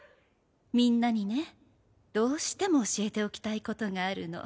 みんなにねどうしても教えておきたいことがあるの。